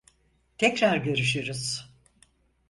Tekrar görüşürüz.